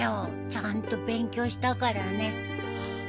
ちゃんと勉強したからね。